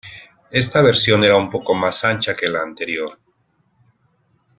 Esta versión era un poco más ancha que la anterior.